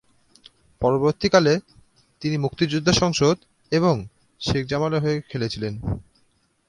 পরবর্তীকালে, তিনি মুক্তিযোদ্ধা সংসদ এবং শেখ জামালের হয়ে খেলেছিলেন।